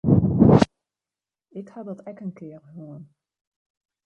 Ik ha dat ek in kear hân.